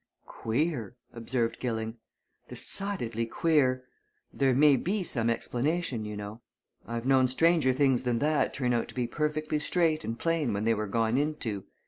"Queer!" observed Gilling. "Decidedly queer! There may be some explanation, you know: I've known stranger things than that turn out to be perfectly straight and plain when they were gone into.